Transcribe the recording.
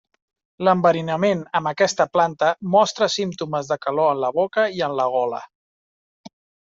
L'enverinament amb aquesta planta mostra símptomes de calor en la boca i en la gola.